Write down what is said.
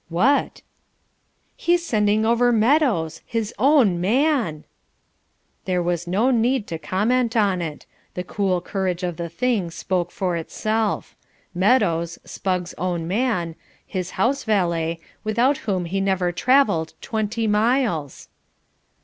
"What?" "He's sending over Meadows, HIS OWN MAN!" There was no need to comment on it. The cool courage of the thing spoke for itself. Meadows, Spugg's own man, his house valet, without whom he never travelled twenty miles!